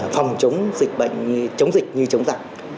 phòng chống dịch bệnh chống dịch như chống dặn